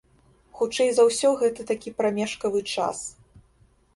Хутчэй за ўсё, гэта такі прамежкавы час.